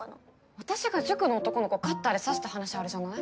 私が塾の男の子をカッターで刺した話あるじゃない？